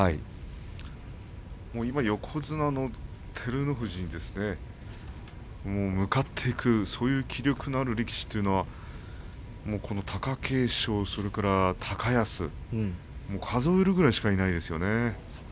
今、横綱の照ノ富士に向かっていく、そういう気力のある力士というのはもうこの貴景勝、それから高安数えるぐらいしかいないですよね。